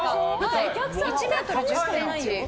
１ｍ１０ｃｍ。